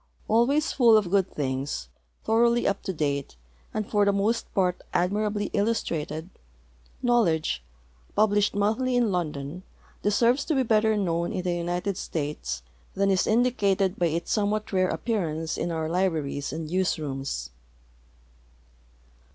Always full of good things, thoroughly up to tlate, and for the most part admirably illustrated. Knowledge, jinblished monthly in London, de serves to be better known in the United States than is indicated by its somewhat rare appearance in our libraries and newsrooms.